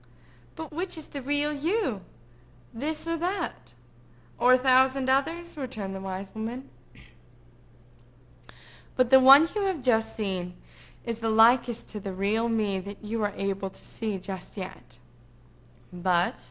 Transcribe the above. "But which is the real you?" asked Rosamond; "this or that?" "Or a thousand others?" returned the wise woman. "But the one you have just seen is the likest to the real me that you are able to see just yet—but—.